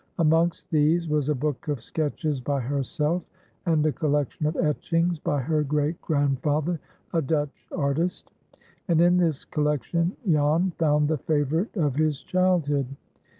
Amongst these was a book of sketches by herself, and a collection of etchings by her great grandfather, a Dutch artist; and in this collection Jan found the favorite of his childhood.